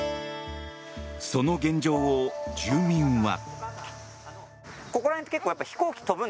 その現状を住民は。